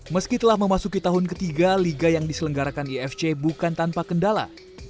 meski telah memasuki tahun ketiga liga yang diselenggarakan ifc bukan tanpa kendala